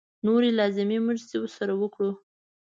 نورې لازمې مرستې ورسره وکړو.